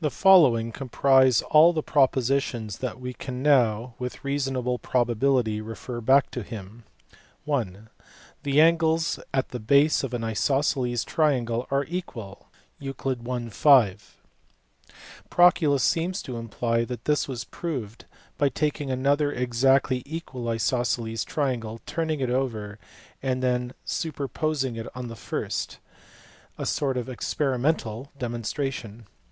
The following comprise all the propositions that we can now with reasonable probability refer back to him. (i) The angles at the base of an isosceles triangle are equal (Euc. I. 5). Proclus seems to imply that this was proved by taking another exactly equal isosceles triangle, turning it over, and then superposing it on the first; a sort of experimental demonstration.